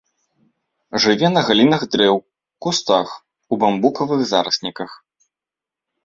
Жыве на галінах дрэў, кустах, у бамбукавых зарасніках.